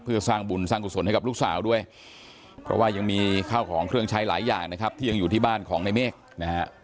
เพื่อสร้างบุญสร้างกุศลให้กับลูกสาวด้วยเพราะว่ายังมีข้าวของเครื่องใช้หลายอย่างนะครับที่ยังอยู่ที่บ้านของในเมฆนะฮะ